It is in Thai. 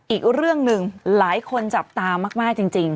อีกเรื่องหนึ่งหลายคนจับตามากจริง